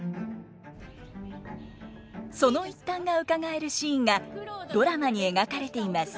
その一端がうかがえるシーンがドラマに描かれています。